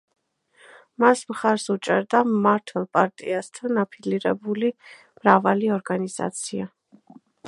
მას მხარს უჭერდა მმართველ პარტიასთან აფილირებული მრავალი ორგანიზაცია.